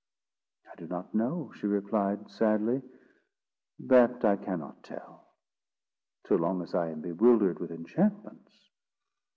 "I do not know," she replied sadly; "that I cannot tell, so long as I am bewildered with enchantments.